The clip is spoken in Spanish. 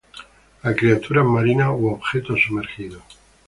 A criaturas marinas u objetos sumergidos.